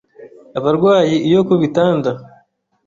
Abarwayi iyo ku bitanda